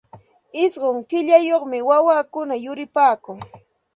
Ishqun killayuqmi wawakuna yuripaakun.